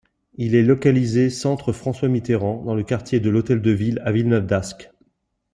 Il est localisé Centre François Mitterrand, dans le quartier de l'Hôtel-de-Ville à Villeneuve-d'Ascq.